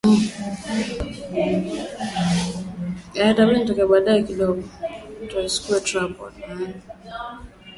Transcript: yanayohusiana na maendeleo yaliyosawazishwa ya binadamu kama vile afya